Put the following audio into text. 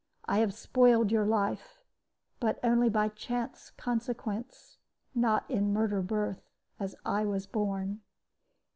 I have spoiled your life, but only by chance consequence, not in murder birth as I was born."